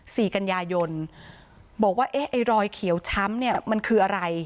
สี่กันยายนบอกว่าเอ๊ะไอ้รอยเขียวช้ำเนี่ยมันคืออะไร